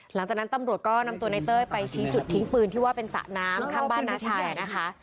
หลังจากนั้นตำรวจก็นำตัวในเต้ยไปชี้จุดทิ้งปืนที่ว่าเป็นสระน้ำข้างบ้านน้าชายนะคะ